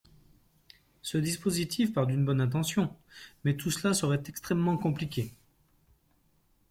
Ce dispositif part d’une bonne intention, mais tout cela serait extrêmement compliqué.